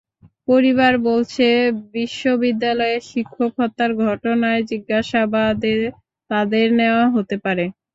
পরিবার বলছে, বিশ্ববিদ্যালয়ের শিক্ষক হত্যার ঘটনায় জিজ্ঞাসাবাদে তাঁদের নেওয়া হতে পারে।